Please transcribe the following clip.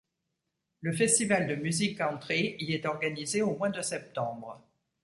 Le festival de musique country y est organisé au mois de septembre.